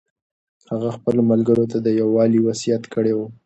هغه خپلو ملګرو ته د یووالي وصیت کړی و.